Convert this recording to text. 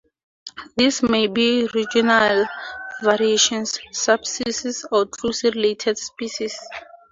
These may be regional variations, subspecies, or closely related species.